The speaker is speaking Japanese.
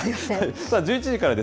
１１時からです。